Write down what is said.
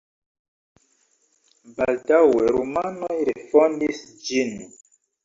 Baldaŭe rumanoj refondis ĝin.